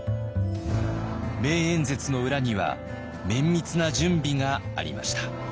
名演説の裏には綿密な準備がありました。